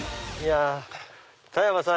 田山さん